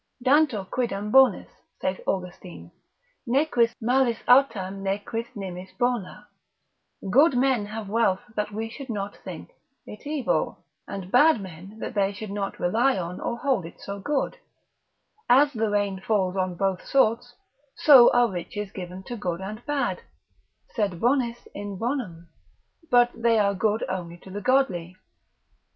Dantur quidem bonis, saith Austin, ne quis mala aestimet: mails autem ne quis nimis bona, good men have wealth that we should not think, it evil; and bad men that they should not rely on or hold it so good; as the rain falls on both sorts, so are riches given to good and bad, sed bonis in bonum, but they are good only to the godly.